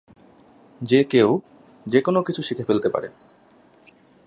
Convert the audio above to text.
যে কেউ যেকোনো কিছু শিখে ফেলতে পারে।